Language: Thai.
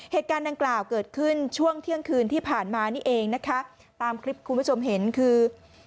เหตุการณ์ดังกล่าวเกิดขึ้นช่วงเที่ยงคืนที่ผ่านมานี่เองนะคะตามคลิปคุณผู้ชมเห็นคือ